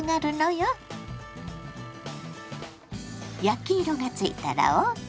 焼き色がついたらＯＫ。